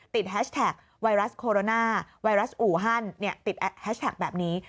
แฮชแท็กไวรัสโคโรนาไวรัสอู่ฮันติดแฮชแท็กแบบนี้